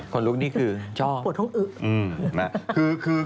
ขนลุกนี่คือชอบหัวท้องอึ๊บหัวท้องอึ๊บ